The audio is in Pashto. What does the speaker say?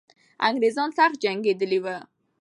انګریزان سخت جنګېدلي وو.